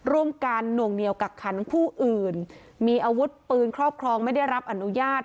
ร่วมกันหน่วงเหนียวกักขังผู้อื่นมีอาวุธปืนครอบครองไม่ได้รับอนุญาต